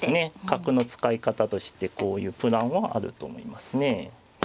角の使い方としてこういうプランはあると思いますね。